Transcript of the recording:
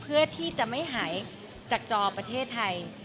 เพื่อที่จะไม่หายจากจอประเทศไทย